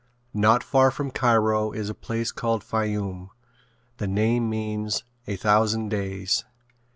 Not far from Cairo is a place called Fayoum. The name means "A Thousand Days."